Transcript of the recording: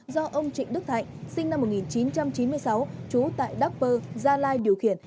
do ông trịnh đức thạnh sinh năm một nghìn chín trăm chín mươi sáu trú tại đắk pơ gia lai điều khiển